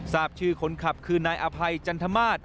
ทราบชื่อคนขับคือนายอภัยจันทมาส